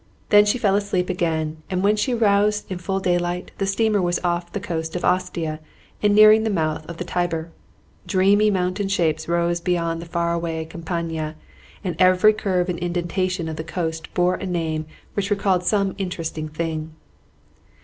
Then she fell asleep again, and when she roused in full daylight the steamer was off the coast of Ostia and nearing the mouth of the Tiber. Dreamy mountain shapes rose beyond the far away Campagna, and every curve and indentation of the coast bore a name which recalled some interesting thing.